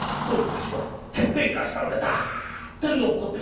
てっぺんから下までダッてんで落っこってしまう。